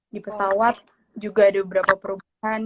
di pesawat juga ada beberapa perubahan